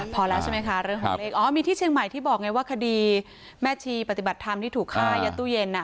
พอแล้วใช่ไหมคะเรื่องของเลขอ๋อมีที่เชียงใหม่ที่บอกไงว่าคดีแม่ชีปฏิบัติธรรมที่ถูกฆ่ายัดตู้เย็น